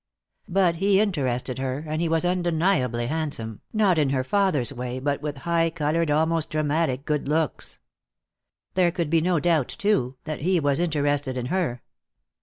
But he interested her, and he was undeniably handsome, not in her father's way but with high colored, almost dramatic good looks. There could be no doubt, too, that he was interested in her.